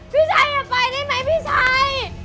พี่ชัยไปได้ไหมพี่ชัย